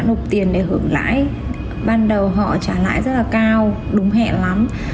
hộp tiền để hưởng lãi ban đầu họ trả lãi rất là cao đúng hẹn lắm